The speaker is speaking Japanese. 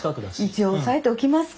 一応押さえておきますか。